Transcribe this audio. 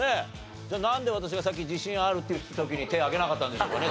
じゃあなんで私がさっき「自信ある？」って言った時に手挙げなかったんでしょうかね？